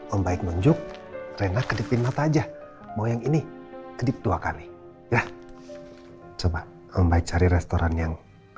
om baik nunjuk reinhard kedipin mata aja mau yang ini kedip dua kali ya coba membaik cari restoran yang